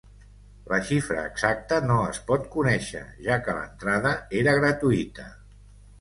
La xifra exacta no es pot conèixer, ja que l’entrada era gratuïta.